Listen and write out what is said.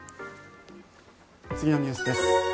次のニュースです。